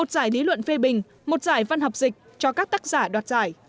một giải lý luận phê bình một giải văn học dịch cho các tác giả đoạt giải